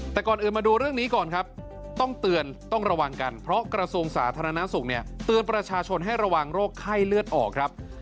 แต่ก่อนอื่นมาดูเรื่องนี้ก่อนครับต้องเตือนต้องระวังกันเพราะกระทรวงสาธารณสุขเนี่ยเตือนประชาชนให้ระวังโรคไข้เลือดออกครับ